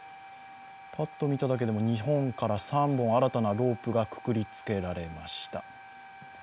ぱっと見ただけでも２本から３本新たなロープがくくりつけられました。